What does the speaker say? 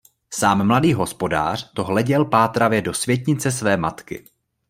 Sám mladý hospodář to hleděl pátravě do světnice své matky.